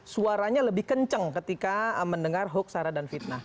suaranya lebih kencang ketika mendengar hoax arah dan fitnah